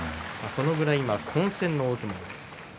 そのぐらい混戦の大相撲です。